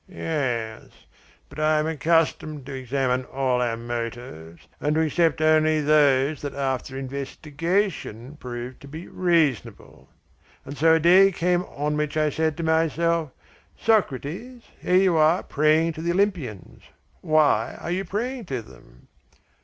"Yes. But I am accustomed to examine all our motives and to accept only those that after investigation prove to be reasonable. And so a day came on which I said to myself: 'Socrates, here you are praying to the Olympians. Why are you praying to them?'"